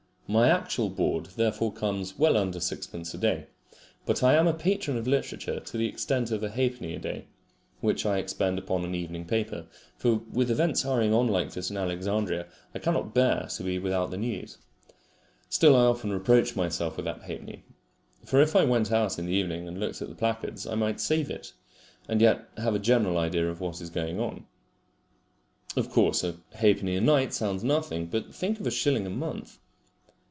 My actual board therefore comes well under sixpence a day, but I am a patron of literature to the extent of a halfpenny a day, which I expend upon an evening paper; for with events hurrying on like this in Alexandria, I cannot bear to be without the news. Still I often reproach myself with that halfpenny, for if I went out in the evening and looked at the placards I might save it, and yet have a general idea of what is going on. Of course, a halfpenny a night sounds nothing, but think of a shilling a month!